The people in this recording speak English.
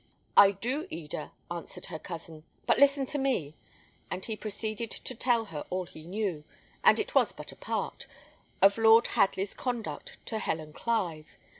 "I do, Eda," answered her cousin; "but listen to me." And he proceeded to tell her all he knew and it was but a part of Lord Hadley's conduct to Helen Clive.